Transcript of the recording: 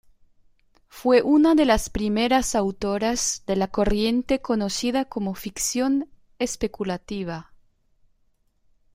Fue una de las primeras autoras de la corriente conocida como ficción especulativa.